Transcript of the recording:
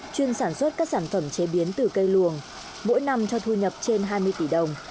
chuyên sản xuất các sản phẩm chế biến từ cây luồng mỗi năm cho thu nhập trên hai mươi tỷ đồng